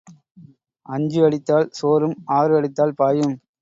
அஞ்சு அடித்தால் சோரும் ஆறு அடித்தால் பாயும்.